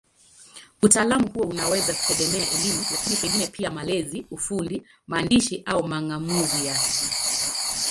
Utaalamu huo unaweza kutegemea elimu, lakini pengine pia malezi, ufundi, maandishi au mang'amuzi yake.